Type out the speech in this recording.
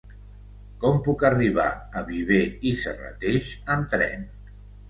Com puc arribar a Viver i Serrateix amb tren?